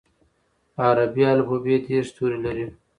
عربي الفبې دېرش توري لري.